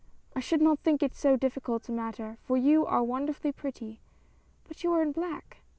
"I should not think it so difficult a matter, for you are wonderfully pretty, but you are in black?"